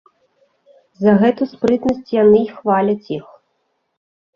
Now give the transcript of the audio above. За гэту спрытнасць яны й хваляць іх.